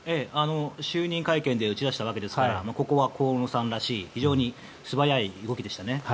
就任会見で打ち出したわけですからここは河野さんらしい非常に素早い動きでしたね。